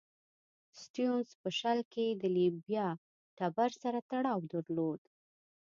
سټیونز په شل کې د لیمبا ټبر سره تړاو درلود.